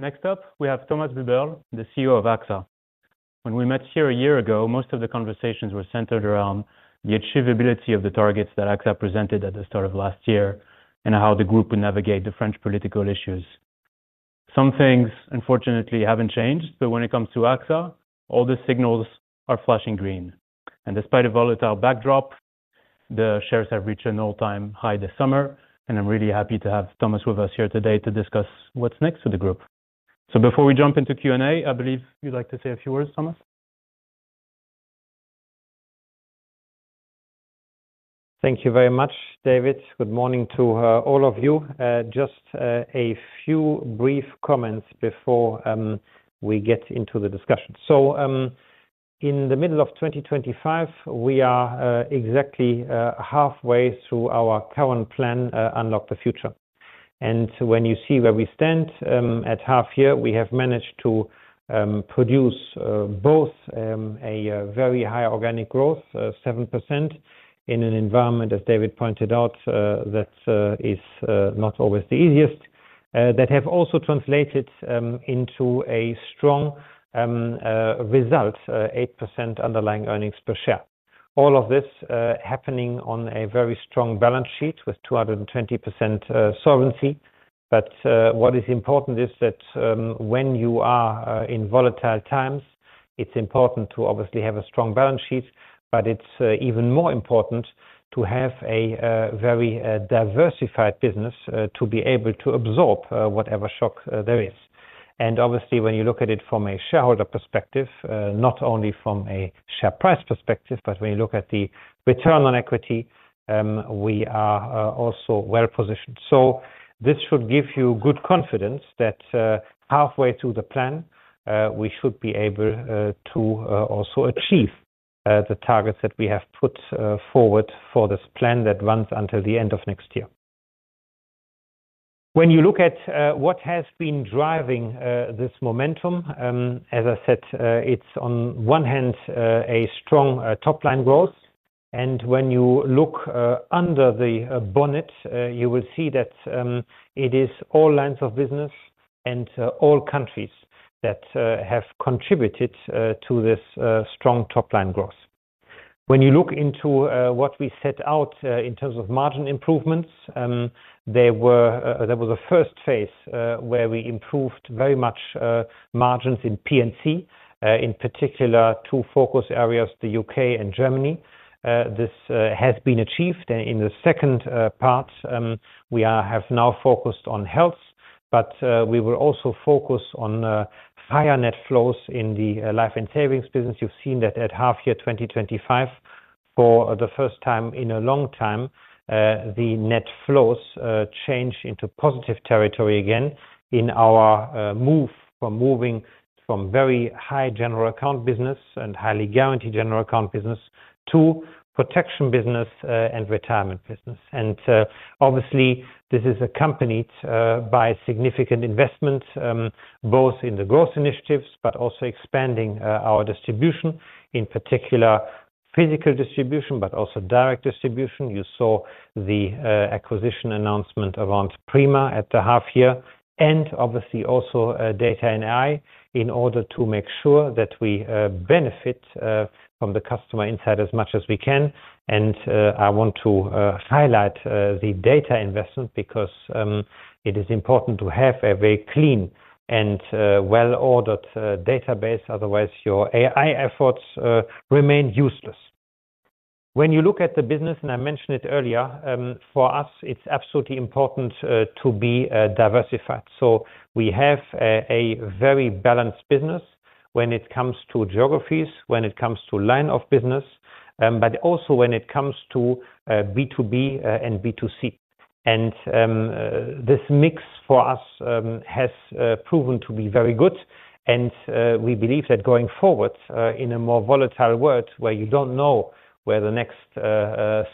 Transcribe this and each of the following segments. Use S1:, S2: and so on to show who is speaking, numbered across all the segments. S1: Next up, we have Thomas Buberl, the CEO of AXA. When we met here a year ago, most of the conversations were centered around the achievability of the targets that AXA presented at the start of last year and how the group would navigate the French political issues. Some things, unfortunately, haven't changed, but when it comes to AXA, all the signals are flashing green. Despite a volatile backdrop, the shares have reached an all-time high this summer, and I'm really happy to have Thomas with us here today to discuss what's next for the group. Before we jump into Q&A, I believe you'd like to say a few words, Thomas?
S2: Thank you very much, David. Good morning to all of you. Just a few brief comments before we get into the discussion. In the middle of 2025, we are exactly halfway through our current plan, Unlock the Future. When you see where we stand at half year, we have managed to produce both a very high organic growth, 7%, in an environment, as David pointed out, that is not always the easiest, that has also translated into a strong result, 8% underlying earnings per share. All of this happening on a very strong balance sheet with 220% solvency. What is important is that when you are in volatile times, it's important to obviously have a strong balance sheet, but it's even more important to have a very diversified business to be able to absorb whatever shock there is. Obviously, when you look at it from a shareholder perspective, not only from a share price perspective, but when you look at the return on equity, we are also well positioned. This should give you good confidence that halfway through the plan, we should be able to also achieve the targets that we have put forward for this plan that runs until the end of next year. When you look at what has been driving this momentum, as I said, it's on one hand a strong top-line growth. When you look under the bonnet, you will see that it is all lines of business and all countries that have contributed to this strong top-line growth. When you look into what we set out in terms of margin improvements, there was a first phase where we improved very much margins in Property & Casualty Insurance, in particular two focus areas, the UK and Germany. This has been achieved. In the second part, we have now focused on health, but we will also focus on higher net flows in the life and savings business. You've seen that at half year 2025, for the first time in a long time, the net flows changed into positive territory again in our move from moving from very high general account business and highly guaranteed general account business to protection business and retirement business. This is accompanied by significant investments, both in the growth initiatives, but also expanding our distribution, in particular physical distribution, but also direct distribution. You saw the acquisition announcement around Prima at the half year, and obviously also Data and Artificial Intelligence in order to make sure that we benefit from the customer insight as much as we can. I want to highlight the data investment because it is important to have a very clean and well-ordered database. Otherwise, your artificial intelligence efforts remain useless. When you look at the business, and I mentioned it earlier, for us, it's absolutely important to be diversified. We have a very balanced business when it comes to geographies, when it comes to line of business, but also when it comes to B2B and B2C. This mix for us has proven to be very good. We believe that going forward in a more volatile world where you don't know where the next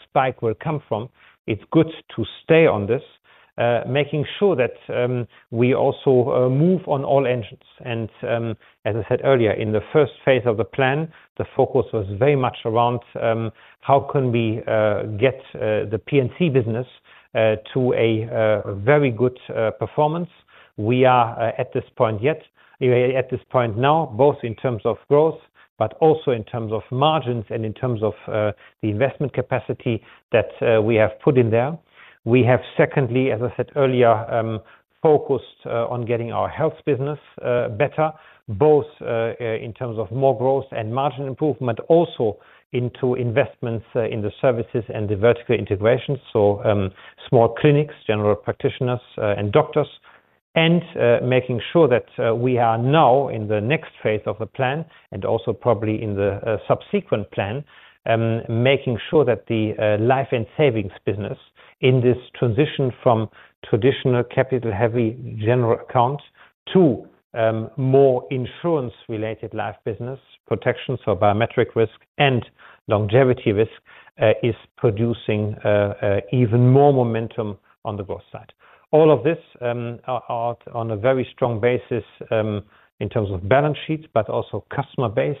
S2: spike will come from, it's good to stay on this, making sure that we also move on all engines. As I said earlier, in the first phase of the plan, the focus was very much around how can we get the property & casualty insurance business to a very good performance. We are at this point now, both in terms of growth, but also in terms of margins and in terms of the investment capacity that we have put in there. Secondly, as I said earlier, we focused on getting our health insurance business better, both in terms of more growth and margin improvement, but also into investments in the services and the vertical integrations, so small clinics, general practitioners, and doctors, and making sure that we are now in the next phase of the plan and also probably in the subsequent plan, making sure that the life and savings segment in this transition from traditional capital-heavy general account products to more insurance-related life business, protection, so biometric risk and longevity risk, is producing even more momentum on the growth side. All of this on a very strong basis in terms of balance sheets, but also customer base.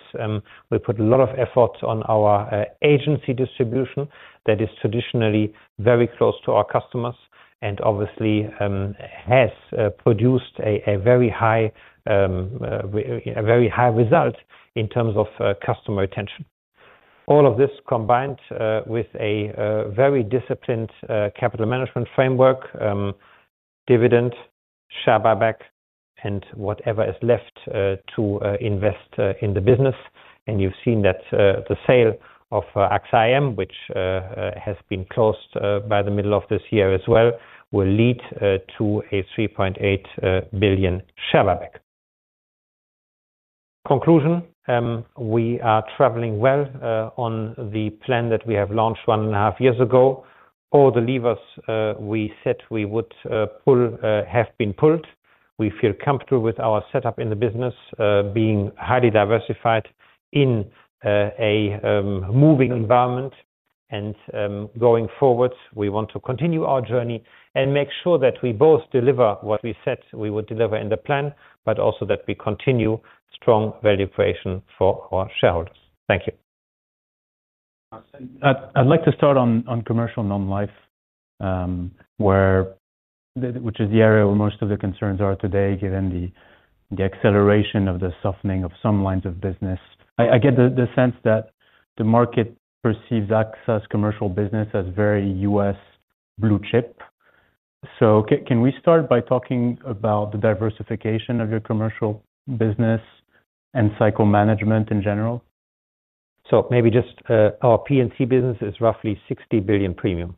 S2: We put a lot of effort on our agency distribution that is traditionally very close to our customers and obviously has produced a very high result in terms of customer retention. All of this combined with a very disciplined capital management framework, dividend, share buyback, and whatever is left to invest in the business. You have seen that the sale of AXA Investment Managers, which has been closed by the middle of this year as well, will lead to a $3.8 billion share buyback. In conclusion, we are traveling well on the plan that we have launched one and a half years ago. All the levers we said we would pull have been pulled. We feel comfortable with our setup in the business, being highly diversified in a moving environment. Going forward, we want to continue our journey and make sure that we both deliver what we said we would deliver in the plan, but also that we continue strong value creation for our shareholders. Thank you.
S1: I'd like to start on commercial non-life, which is the area where most of the concerns are today, given the acceleration of the softening of some lines of business. I get the sense that the market perceives AXA's commercial business as very U.S. blue chip. Can we start by talking about the diversification of your commercial business and cycle management in general?
S2: Our Property & Casualty Insurance business is roughly $60 billion premium.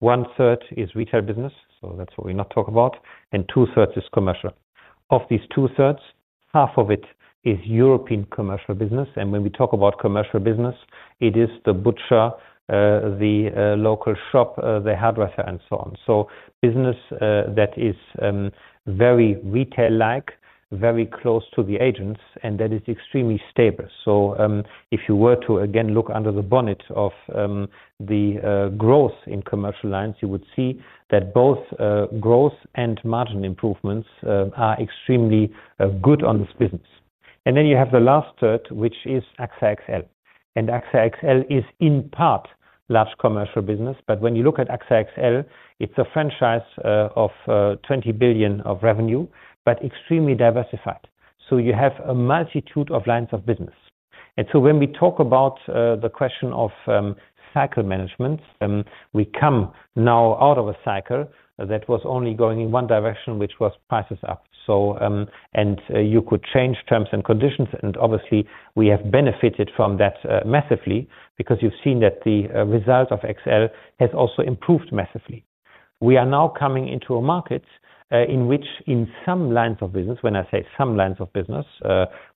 S2: One third is retail business, so that's what we're not talking about. Two thirds is commercial. Of these two thirds, half of it is European commercial business. When we talk about commercial business, it is the butcher, the local shop, the hardware, and so on. Business that is very retail-like, very close to the agents, and that is extremely stable. If you were to again look under the bonnet of the growth in commercial lines, you would see that both growth and margin improvements are extremely good on this business. Then you have the last third, which is AXA XL. AXA XL is in part large commercial business. When you look at AXA XL, it's a franchise of $20 billion of revenue, but extremely diversified. You have a multitude of lines of business. When we talk about the question of cycle management, we come now out of a cycle that was only going in one direction, which was prices up. You could change terms and conditions. Obviously, we have benefited from that massively because you've seen that the result of AXA XL has also improved massively. We are now coming into a market in which in some lines of business, when I say some lines of business,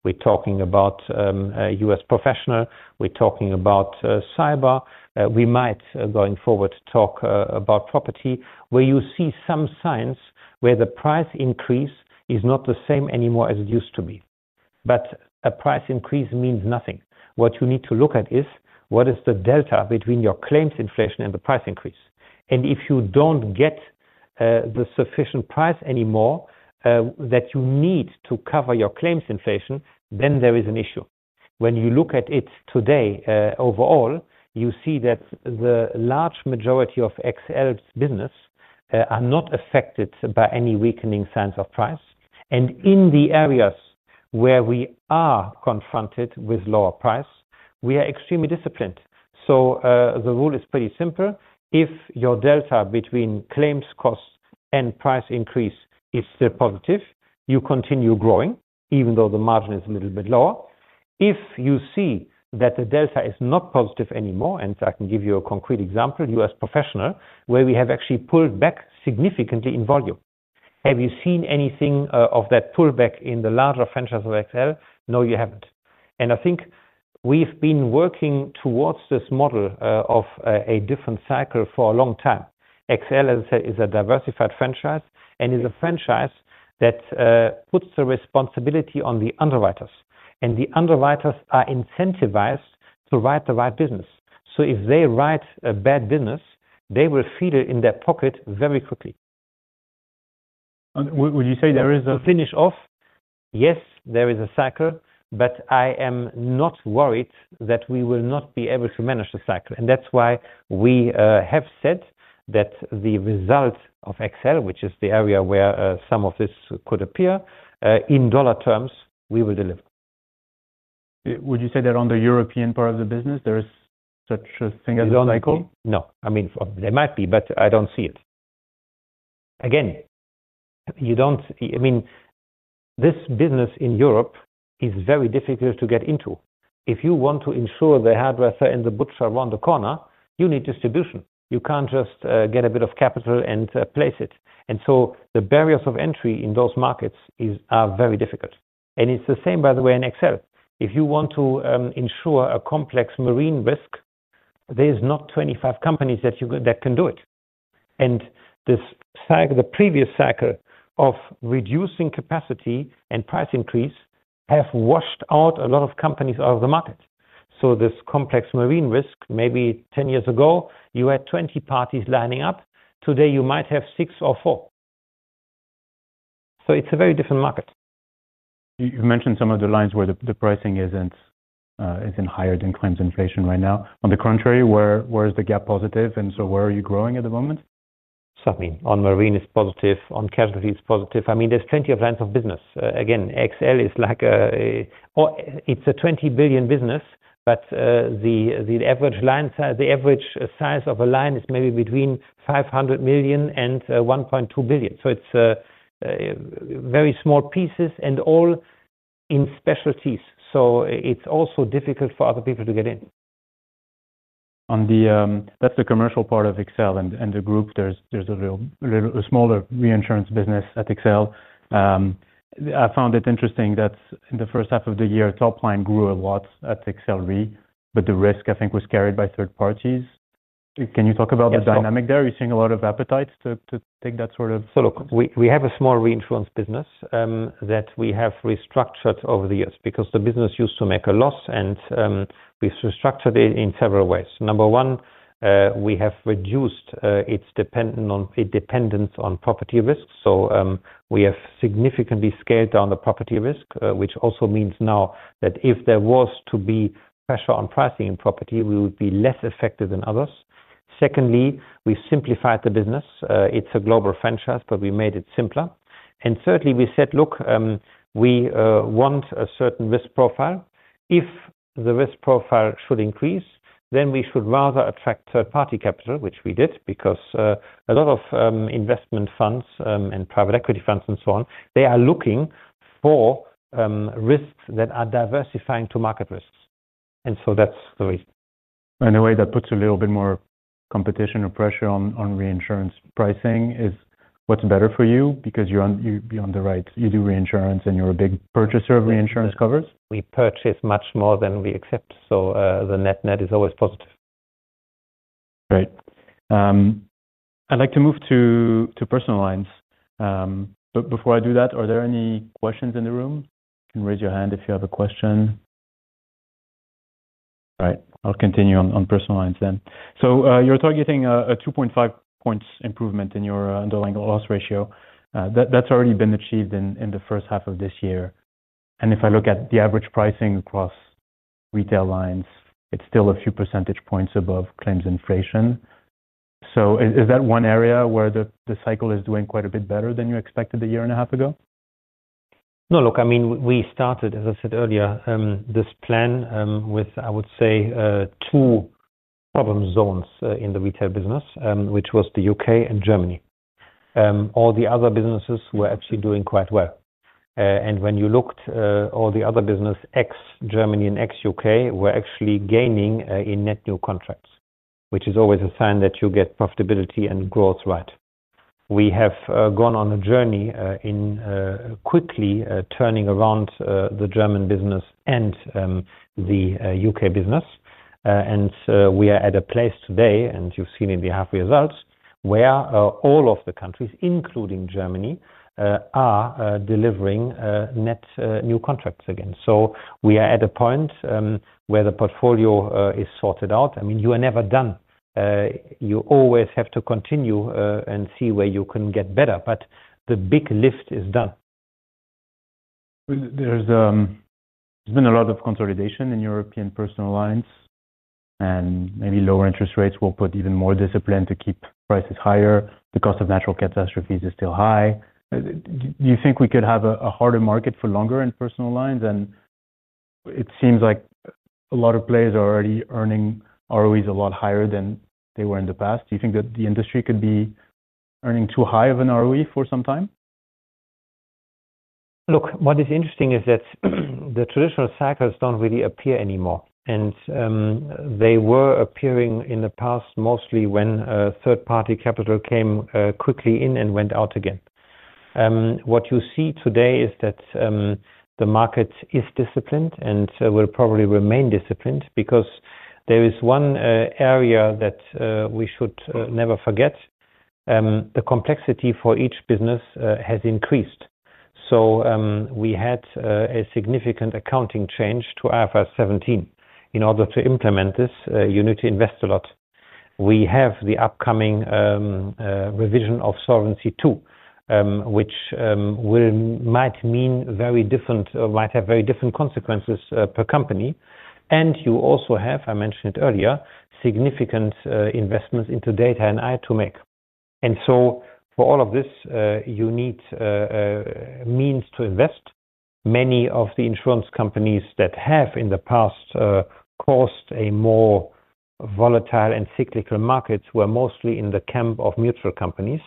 S2: we're talking about U.S. professional, we're talking about cyber insurance, we might going forward talk about property, where you see some signs where the price increase is not the same anymore as it used to be. A price increase means nothing. What you need to look at is what is the delta between your claims inflation and the price increase. If you don't get the sufficient price anymore that you need to cover your claims inflation, then there is an issue. When you look at it today overall, you see that the large majority of AXA XL's business are not affected by any weakening signs of price. In the areas where we are confronted with lower price, we are extremely disciplined. The rule is pretty simple. If your delta between claims costs and price increase is still positive, you continue growing, even though the margin is a little bit lower. If you see that the delta is not positive anymore, and I can give you a concrete example, U.S. professional, where we have actually pulled back significantly in volume. Have you seen anything of that pullback in the larger franchise of AXA XL? No, you haven't. I think we've been working towards this model of a different cycle for a long time. AXA XL, as I said, is a diversified franchise and is a franchise that puts the responsibility on the underwriters. The underwriters are incentivized to write the right business. If they write a bad business, they will feel it in their pocket very quickly.
S1: Would you say there is a finish off?
S2: Yes, there is a cycle, but I am not worried that we will not be able to manage the cycle. That is why we have said that the result of AXA XL, which is the area where some of this could appear, in dollar terms, we will deliver.
S1: Would you say that on the European part of the business, there is such a thing as a cycle?
S2: No, I mean, there might be, but I don't see it. Again, you don't, I mean, this business in Europe is very difficult to get into. If you want to insure the hardware and the butcher around the corner, you need distribution. You can't just get a bit of capital and place it. The barriers of entry in those markets are very difficult. It's the same, by the way, in AXA XL. If you want to insure a complex marine risk, there are not 25 companies that can do it. The previous cycle of reducing capacity and price increase has washed a lot of companies out of the market. This complex marine risk, maybe 10 years ago, you had 20 parties lining up. Today, you might have six or four. It's a very different market.
S1: You've mentioned some of the lines where the pricing isn't higher than claims inflation right now. On the contrary, where is the gap positive? Where are you growing at the moment?
S2: Certainly, on marine is positive, on capital is positive. I mean, there's plenty of lines of business. Again, AXA XL is like a, or it's a $20 billion business, but the average size of a line is maybe between $500 million and $1.2 billion. It's very small pieces and all in specialties. It's also difficult for other people to get in.
S1: That's the commercial part of AXA XL and the group. There's a smaller reinsurance business at AXA XL. I found it interesting that in the first half of the year, top line grew a lot at AXA XL Re, but the risk, I think, was carried by third parties. Can you talk about the dynamic there? Are you seeing a lot of appetite to take that sort of risk?
S2: Look, we have a small reinsurance business that we have restructured over the years because the business used to make a loss, and we've restructured it in several ways. Number one, we have reduced its dependence on property risks. We have significantly scaled down the property risk, which also means now that if there was to be pressure on pricing in property, we would be less affected than others. Secondly, we simplified the business. It's a global franchise, but we made it simpler. Thirdly, we said we want a certain risk profile. If the risk profile should increase, then we should rather attract third-party capital, which we did, because a lot of investment funds and private equity funds and so on are looking for risks that are diversifying to market risks. That's the reason.
S1: In a way, that puts a little bit more competition or pressure on reinsurance pricing, which is what's better for you because you're on the right. You do reinsurance and you're a big purchaser of reinsurance covers.
S2: We purchase much more than we accept, so the net net is always positive.
S1: Right. I'd like to move to personal lines. Before I do that, are there any questions in the room? You can raise your hand if you have a question. All right, I'll continue on personal lines then. You're targeting a 2.5% improvement in your underlying loss ratio. That's already been achieved in the first half of this year. If I look at the average pricing across retail lines, it's still a few percentage points above claims inflation. Is that one area where the cycle is doing quite a bit better than you expected a year and a half ago?
S2: No, look, I mean, we started, as I said earlier, this plan with, I would say, two problem zones in the retail business, which was the UK and Germany. All the other businesses were actually doing quite well. When you looked, all the other business, ex-Germany and ex-UK, were actually gaining in net new contracts, which is always a sign that you get profitability and growth right. We have gone on a journey in quickly turning around the German business and the UK business. We are at a place today, and you've seen in the half-year results, where all of the countries, including Germany, are delivering net new contracts again. We are at a point where the portfolio is sorted out. I mean, you are never done. You always have to continue and see where you can get better. The big lift is done.
S1: There's been a lot of consolidation in European personal lines, and maybe lower interest rates will put even more discipline to keep prices higher. The cost of natural catastrophes is still high. Do you think we could have a harder market for longer in personal lines? It seems like a lot of players are already earning ROEs a lot higher than they were in the past. Do you think that the industry could be earning too high of an ROE for some time?
S2: Look, what is interesting is that the traditional cycles don't really appear anymore. They were appearing in the past mostly when third-party capital came quickly in and went out again. What you see today is that the market is disciplined and will probably remain disciplined because there is one area that we should never forget. The complexity for each business has increased. We had a significant accounting change to IFRS 17. In order to implement this, you need to invest a lot. We have the upcoming revision of Solvency II, which might mean very different or might have very different consequences per company. You also have, I mentioned it earlier, significant investments into data and AI to make. For all of this, you need means to invest. Many of the insurance companies that have in the past caused a more volatile and cyclical market were mostly in the camp of mutual companies.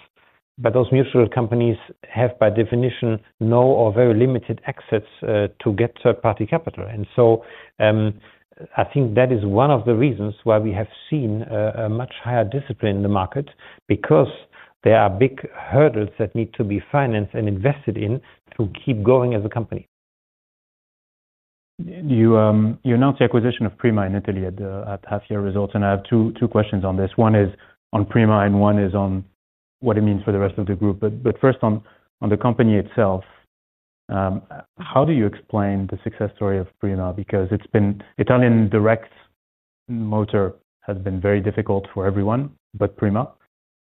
S2: Those mutual companies have, by definition, no or very limited access to get third-party capital. I think that is one of the reasons why we have seen a much higher discipline in the market because there are big hurdles that need to be financed and invested in to keep going as a company.
S1: You announced the acquisition of Prima in Italy at the half-year result, and I have two questions on this. One is on Prima and one is on what it means for the rest of the group. First, on the company itself, how do you explain the success story of Prima? Because Italian direct motor has been very difficult for everyone, but Prima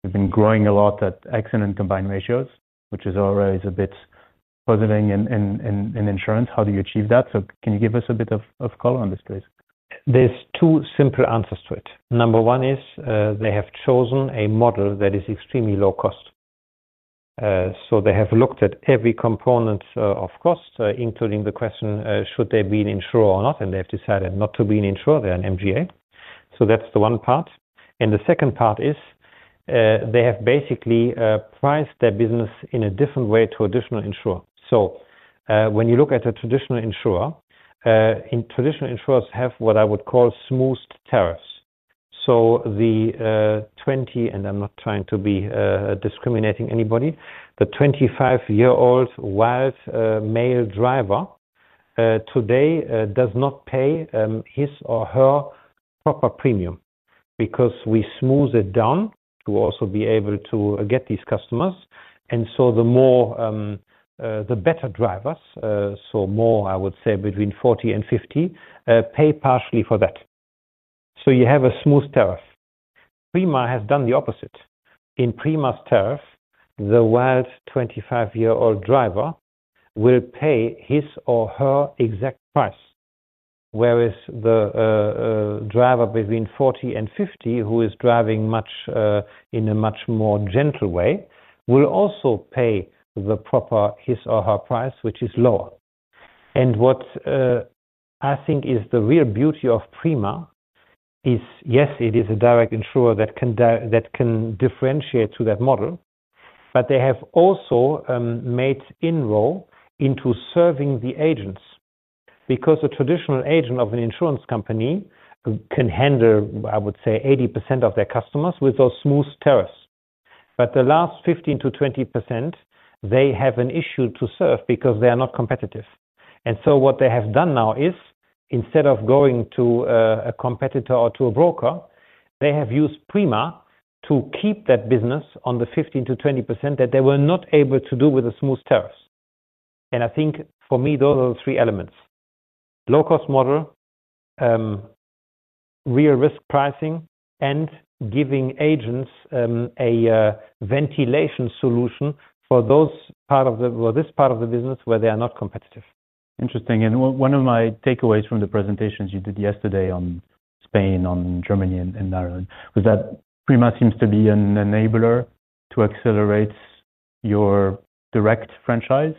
S1: has been growing a lot at excellent combined ratios, which is always a bit puzzling in insurance. How do you achieve that? Can you give us a bit of color on this, please?
S2: are two simple answers to it. Number one is they have chosen a model that is extremely low cost. They have looked at every component of cost, including the question, should they be an insurer or not? They have decided not to be an insurer. They are an MGA. That is the one part. The second part is they have basically priced their business in a different way to a traditional insurer. When you look at a traditional insurer, traditional insurers have what I would call smooth tariffs. The 25-year-old wild male driver today does not pay his or her proper premium because we smooth it down to also be able to get these customers. The better drivers, more, I would say, between 40 and 50, pay partially for that. You have a smooth tariff. Prima has done the opposite. In Prima's tariff, the wild 25-year-old driver will pay his or her exact price, whereas the driver between 40 and 50, who is driving in a much more gentle way, will also pay his or her proper price, which is lower. What I think is the real beauty of Prima is, yes, it is a direct insurer that can differentiate through that model, but they have also made inroads into serving the agents. A traditional agent of an insurance company can handle, I would say, 80% of their customers with those smooth tariffs. The last 15% to 20%, they have an issue to serve because they are not competitive. What they have done now is, instead of going to a competitor or to a broker, they have used Prima to keep that business on the 15% to 20% that they were not able to do with the smooth tariffs. For me, those are the three elements: low-cost model, real risk pricing, and giving agents a ventilation solution for this part of the business where they are not competitive.
S1: Interesting. One of my takeaways from the presentations you did yesterday on Spain, Germany, and Ireland was that Prima seems to be an enabler to accelerate your direct franchise.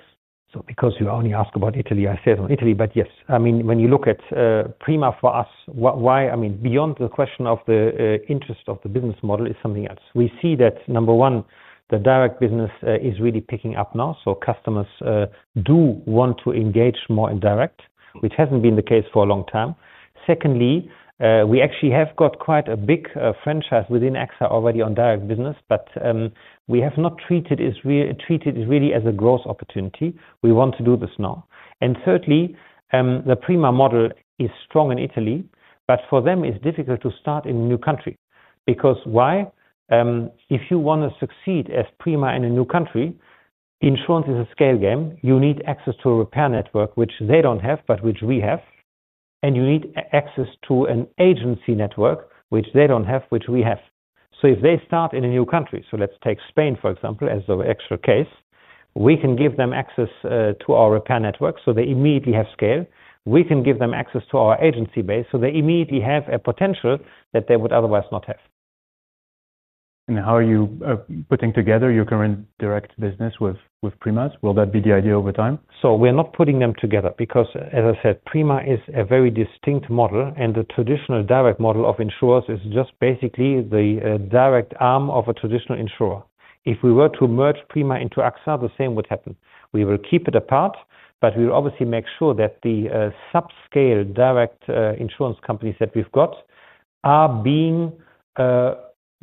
S2: Because you only ask about Italy, I say it on Italy. Yes, I mean, when you look at Prima for us, why? I mean, beyond the question of the interest of the business model, there is something else. We see that, number one, the direct business is really picking up now. Customers do want to engage more in direct, which hasn't been the case for a long time. Secondly, we actually have got quite a big franchise within AXA already on direct business, but we have not treated it really as a growth opportunity. We want to do this now. Thirdly, the Prima model is strong in Italy, but for them, it's difficult to start in a new country. Because why? If you want to succeed as Prima in a new country, insurance is a scale game. You need access to a repair network, which they don't have, but which we have. You need access to an agency network, which they don't have, which we have. If they start in a new country, let's take Spain, for example, as the actual case, we can give them access to our repair network, so they immediately have scale. We can give them access to our agency base, so they immediately have a potential that they would otherwise not have.
S1: How are you putting together your current direct business with Prima? Will that be the idea over time?
S2: We're not putting them together because, as I said, Prima is a very distinct model, and the traditional direct model of insurers is just basically the direct arm of a traditional insurer. If we were to merge Prima into AXA, the same would happen. We will keep it apart, but we will obviously make sure that the subscale direct insurance companies that we've got are being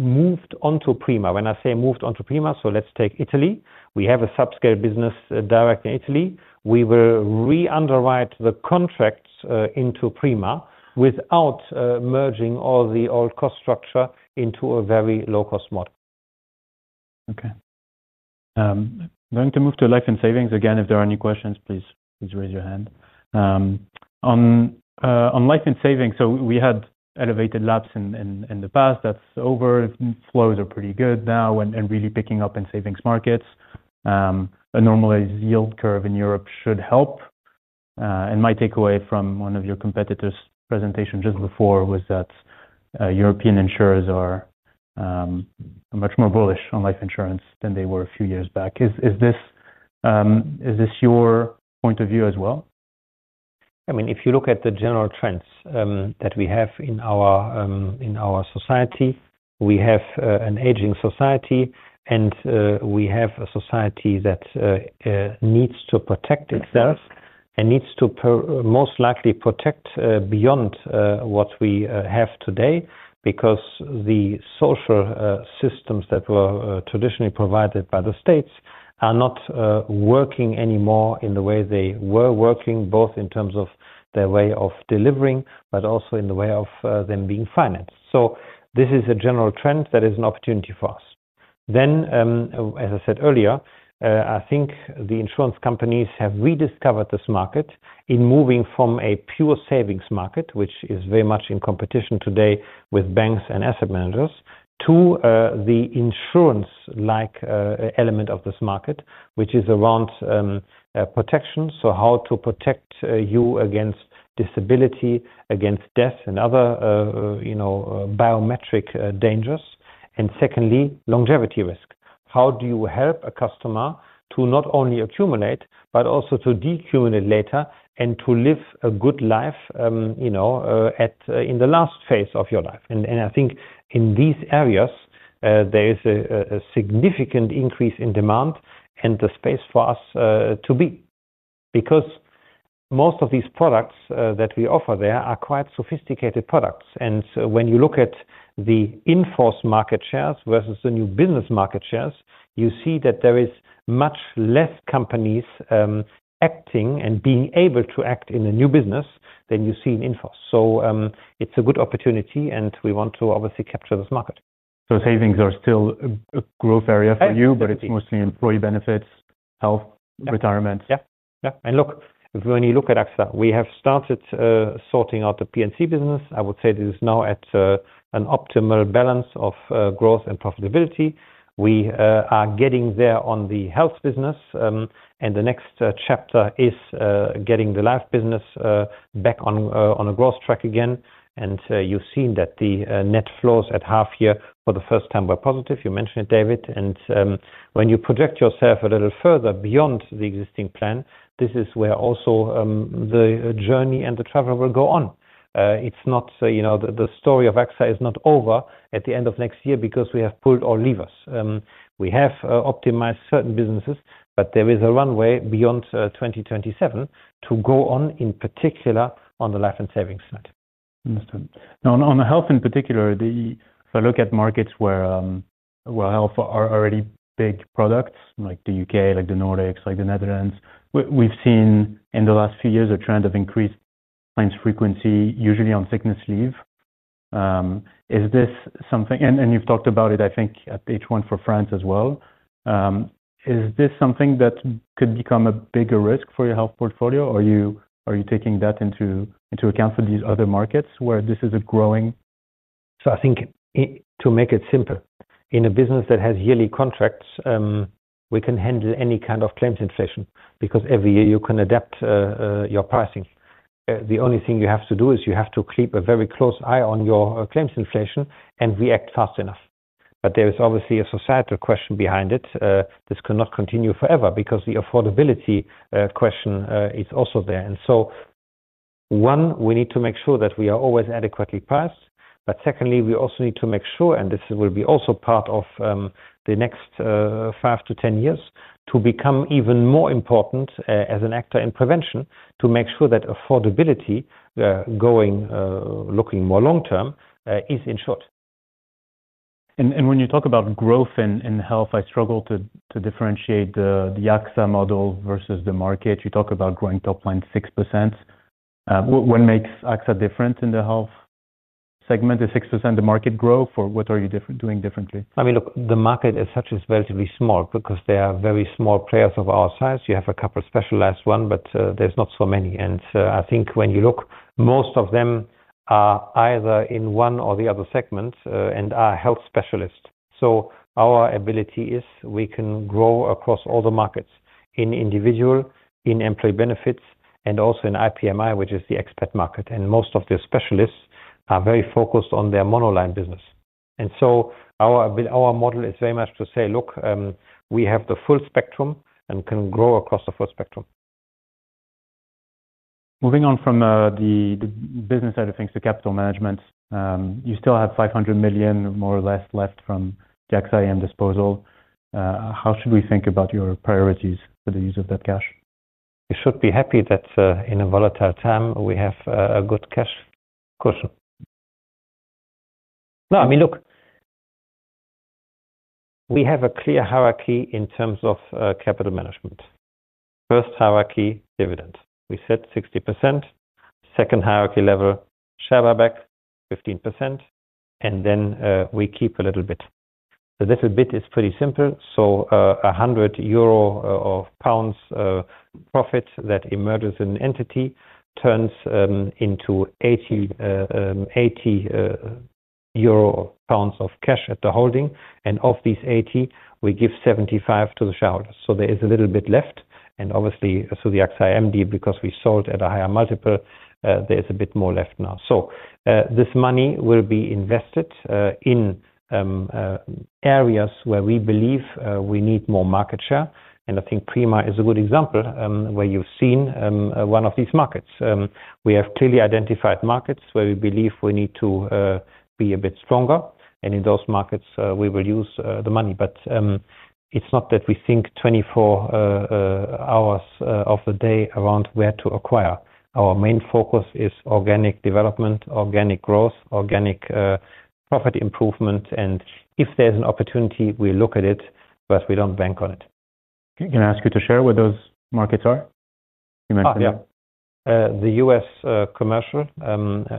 S2: moved onto Prima. When I say moved onto Prima, let's take Italy. We have a subscale business direct in Italy. We will re-underwrite the contracts into Prima without merging all the old cost structure into a very low-cost model.
S1: Okay. I'm going to move to life and savings again. If there are any questions, please raise your hand. On life and savings, we had elevated lapses in the past. That's over. Flows are pretty good now and really picking up in savings markets. A normalized yield curve in Europe should help. My takeaway from one of your competitors' presentation just before was that European insurers are much more bullish on life insurance than they were a few years back. Is this your point of view as well?
S2: I mean, if you look at the general trends that we have in our society, we have an aging society, and we have a society that needs to protect itself and needs to most likely protect beyond what we have today because the social systems that were traditionally provided by the states are not working anymore in the way they were working, both in terms of their way of delivering, but also in the way of them being financed. This is a general trend that is an opportunity for us. As I said earlier, I think the insurance companies have rediscovered this market in moving from a pure savings market, which is very much in competition today with banks and asset managers, to the insurance-like element of this market, which is around protection. How to protect you against disability, against death, and other biometric dangers. Secondly, longevity risk. How do you help a customer to not only accumulate, but also to decumulate later and to live a good life, you know, in the last phase of your life? I think in these areas, there is a significant increase in demand and the space for us to be. Most of these products that we offer there are quite sophisticated products. When you look at the in-force market shares versus the new business market shares, you see that there are much less companies acting and being able to act in a new business than you see in in-force. It's a good opportunity, and we want to obviously capture this market.
S1: Savings are still a growth area for you, but it's mostly employee benefits, health, retirement.
S2: Yeah. Look, when you look at AXA, we have started sorting out the P&C business. I would say this is now at an optimal balance of growth and profitability. We are getting there on the health business, and the next chapter is getting the life business back on a growth track again. You've seen that the net flows at half year for the first time were positive. You mentioned it, David. When you project yourself a little further beyond the existing plan, this is where also the journey and the travel will go on. It's not, you know, the story of AXA is not over at the end of next year because we have pulled all levers. We have optimized certain businesses, but there is a runway beyond 2027 to go on, in particular, on the life and savings side.
S1: Understood. Now, on the health in particular, if I look at markets where health are already big products, like the UK, like the Nordics, like the Netherlands, we've seen in the last few years a trend of increased clients' frequency, usually on sickness leave. Is this something, and you've talked about it, I think, at H1 for France as well, is this something that could become a bigger risk for your health portfolio? Are you taking that into account for these other markets where this is growing?
S2: I think to make it simple, in a business that has yearly contracts, we can handle any kind of claims inflation because every year you can adapt your pricing. The only thing you have to do is you have to keep a very close eye on your claims inflation and react fast enough. There is obviously a societal question behind it. This cannot continue forever because the affordability question is also there. We need to make sure that we are always adequately priced. We also need to make sure, and this will be also part of the next five to ten years, to become even more important as an actor in prevention to make sure that affordability, going looking more long-term, is ensured.
S1: When you talk about growth in health, I struggle to differentiate the AXA model versus the market. You talk about growing top line 6%. What makes AXA different in the health segment? Is 6% the market growth or what are you doing differently?
S2: I mean, look, the market as such is relatively small because there are very small players of our size. You have a couple of specialized ones, but there's not so many. I think when you look, most of them are either in one or the other segment and are health specialists. Our ability is we can grow across all the markets in individual, in employee benefits, and also in IPMI, which is the expat market. Most of the specialists are very focused on their monoline business. Our model is very much to say, look, we have the full spectrum and can grow across the full spectrum.
S1: Moving on from the business side of things to capital management, you still have $500 million more or less left from the AXA Investment Managers disposal. How should we think about your priorities for the use of that cash?
S2: You should be happy that in a volatile time, we have good cash.
S1: Course.
S2: No, I mean, look, we have a clear hierarchy in terms of capital management. First hierarchy, dividends. We set 60%. Second hierarchy level, share buyback, 15%. Then we keep a little bit. The little bit is pretty simple. So €100 or £100 profit that emerges in an entity turns into €80 or £80 of cash at the holding. Of these 80, we give 75 to the shareholders. There is a little bit left. Obviously, through the AXA IM deal, because we sold at a higher multiple, there is a bit more left now. This money will be invested in areas where we believe we need more market share. I think Prima is a good example where you've seen one of these markets. We have clearly identified markets where we believe we need to be a bit stronger. In those markets, we will use the money. It's not that we think 24 hours of the day around where to acquire. Our main focus is organic development, organic growth, organic profit improvement. If there's an opportunity, we look at it, but we don't bank on it.
S1: Can I ask you to share what those markets are?
S2: The U.S. commercial,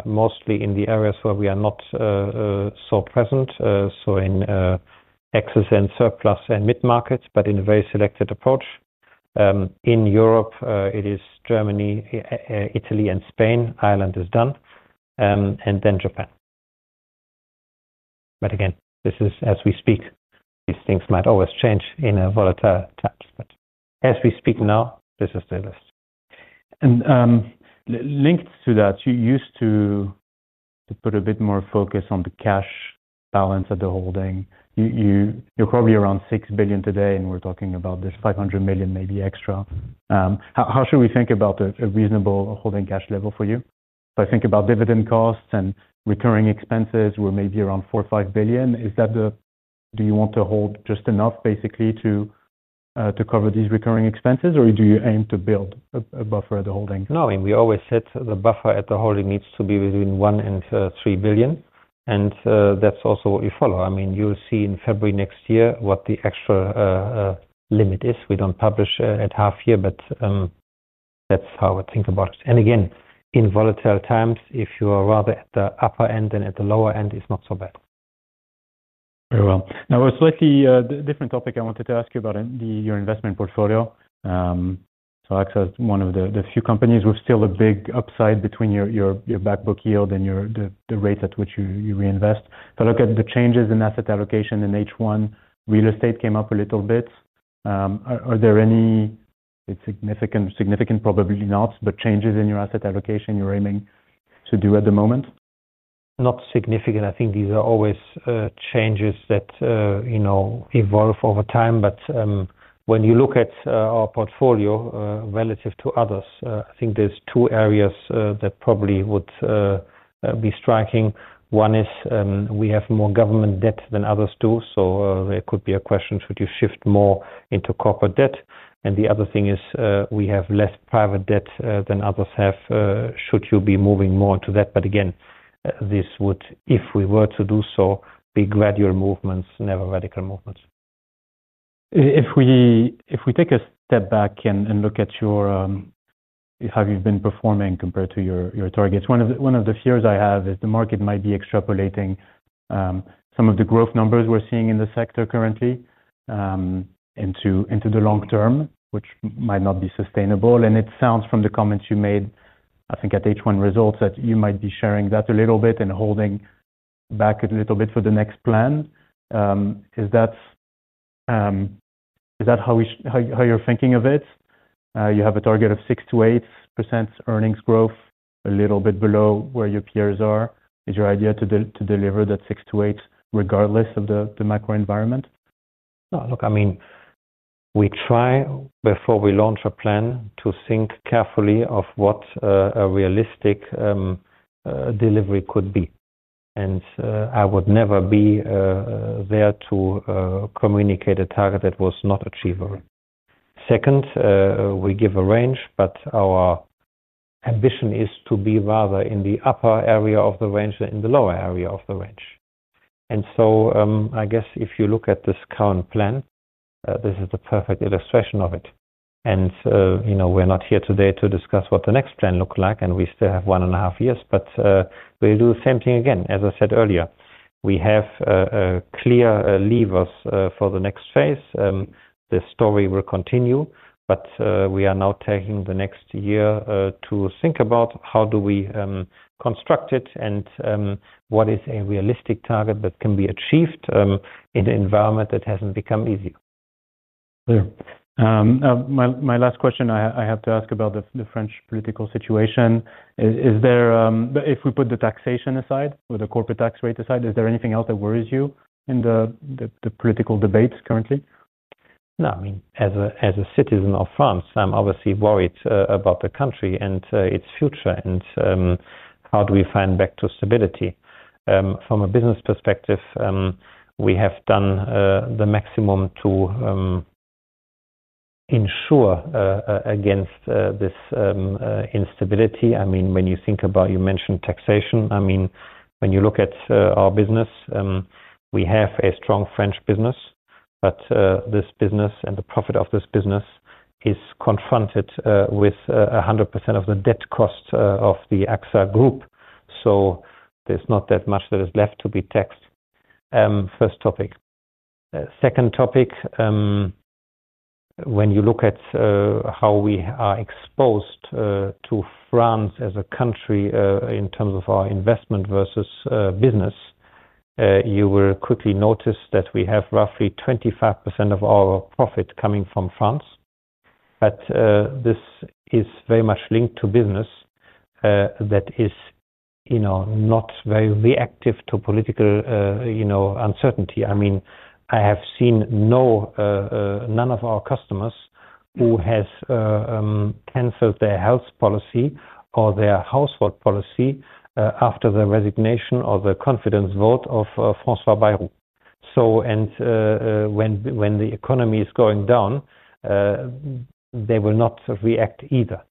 S2: mostly in the areas where we are not so present, so in excess and surplus and mid-markets, but in a very selected approach. In Europe, it is Germany, Italy, and Spain. Ireland is done. Then Japan. Again, this is as we speak. These things might always change in a volatile time. As we speak now, this is the list.
S1: Linked to that, you used to put a bit more focus on the cash balance at the holding. You're probably around €6 billion today, and we're talking about this €500 million, maybe extra. How should we think about a reasonable holding cash level for you? If I think about dividend costs and recurring expenses, we're maybe around €4 or €5 billion. Is that the... Do you want to hold just enough, basically, to cover these recurring expenses, or do you aim to build a buffer at the holding?
S2: No, I mean, we always set the buffer at the holding needs to be between $1 billion and $3 billion. That's also what we follow. You'll see in February next year what the extra limit is. We don't publish at half year, but that's how I would think about it. In volatile times, if you are rather at the upper end and not at the lower end, it's not so bad.
S1: Very well. Now, a slightly different topic. I wanted to ask you about your investment portfolio. AXA is one of the few companies with still a big upside between your backbook yield and the rates at which you reinvest. If I look at the changes in asset allocation in H1, real estate came up a little bit. Are there any significant, probably not, but changes in your asset allocation you're aiming to do at the moment?
S2: Not significant. I think these are always changes that evolve over time. When you look at our portfolio relative to others, I think there's two areas that probably would be striking. One is we have more government debt than others do. There could be a question, should you shift more into corporate debt? The other thing is we have less private debt than others have. Should you be moving more into that? Again, this would, if we were to do so, be gradual movements, never radical movements.
S1: If we take a step back and look at your... How have you been performing compared to your targets? One of the fears I have is the market might be extrapolating some of the growth numbers we're seeing in the sector currently into the long term, which might not be sustainable. It sounds from the comments you made, I think at H1 results, that you might be sharing that a little bit and holding back a little bit for the next plan. Is that how you're thinking of it? You have a target of 6 to 8% earnings growth, a little bit below where your peers are. Is your idea to deliver that 6 to 8% regardless of the macro environment?
S2: No, look, I mean, we try before we launch a plan to think carefully of what a realistic delivery could be. I would never be there to communicate a target that was not achievable. We give a range, but our ambition is to be rather in the upper area of the range than in the lower area of the range. I guess if you look at this current plan, this is the perfect illustration of it. You know, we're not here today to discuss what the next plan looks like, and we still have one and a half years, but we'll do the same thing again. As I said earlier, we have clear levers for the next phase. This story will continue, but we are now taking the next year to think about how do we construct it and what is a realistic target that can be achieved in an environment that hasn't become easier.
S1: My last question, I have to ask about the French political situation. If we put the taxation aside or the corporate tax rate aside, is there anything else that worries you in the political debates currently?
S2: No, I mean, as a citizen of France, I'm obviously worried about the country and its future and how do we find back to stability. From a business perspective, we have done the maximum to ensure against this instability. I mean, when you think about, you mentioned taxation. I mean, when you look at our business, we have a strong French business, but this business and the profit of this business is confronted with 100% of the debt cost of the AXA group. There's not that much that is left to be taxed. First topic. Second topic, when you look at how we are exposed to France as a country in terms of our investment versus business, you will quickly notice that we have roughly 25% of our profit coming from France. This is very much linked to business that is not very reactive to political uncertainty. I have seen none of our customers who have canceled their health policy or their household policy after the resignation or the confidence vote of François Bayrou. When the economy is going down, they will not react either.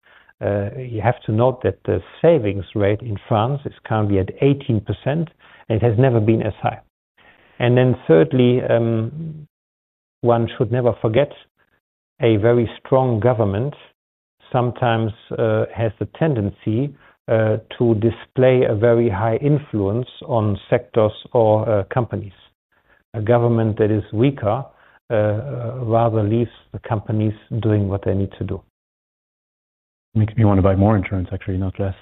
S2: You have to note that the savings rate in France is currently at 18%, and it has never been as high. Thirdly, one should never forget a very strong government sometimes has the tendency to display a very high influence on sectors or companies. A government that is weaker rather leaves the companies doing what they need to do.
S1: Makes me want to buy more insurance, actually, not less.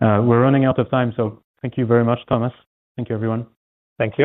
S1: We're running out of time, so thank you very much, Thomas. Thank you, everyone.
S2: Thank you.